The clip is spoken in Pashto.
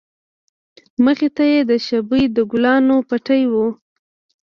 مخې ته يې د شبۍ د گلانو پټى و.